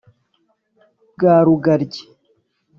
bwa rugaryi,